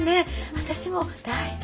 私も大好きで。